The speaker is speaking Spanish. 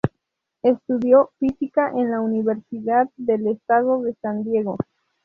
Estudió física en la Universidad del Estado de San Diego.